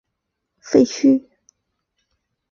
该镇拥有著名的瑞米耶日修道院废墟。